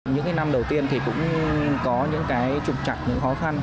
những năm đầu tiên thì cũng có những trục chặt những khó khăn